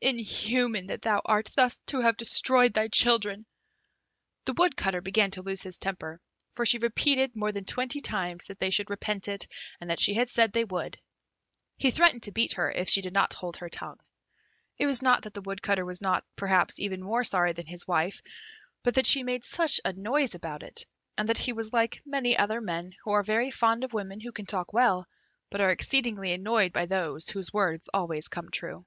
Inhuman that thou art, thus to have destroyed thy children!" The Woodcutter began to lose his temper, for she repeated more than twenty times that they should repent it, and that she had said they would. He threatened to beat her if she did not hold her tongue. It was not that the Woodcutter was not, perhaps, even more sorry than his wife, but that she made such a noise about it, and that he was like many other men who are very fond of women who can talk well, but are exceedingly annoyed by those whose words always come true.